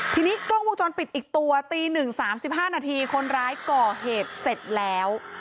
ทีนี้กล้องวงจรปิดอีกตัวตี๑๓๕นาทีคนร้ายก่อเหตุเสร็จแล้ว